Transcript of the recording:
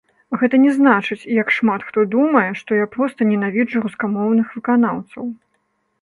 Гэта не значыць, як шмат хто думае, што я проста ненавіджу рускамоўных выканаўцаў.